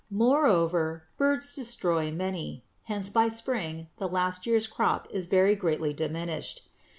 Moreover birds destroy many; hence by spring the last year's crop is very greatly diminished.